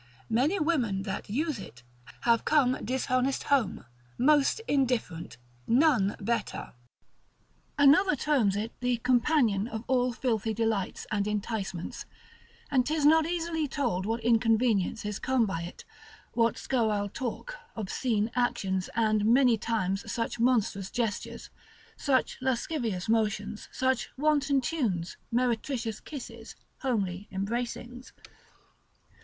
Many women that use it, have come dishonest home, most indifferent, none better. Another terms it the companion of all filthy delights and enticements, and 'tis not easily told what inconveniences come by it, what scurrile talk, obscene actions, and many times such monstrous gestures, such lascivious motions, such wanton tunes, meretricious kisses, homely embracings.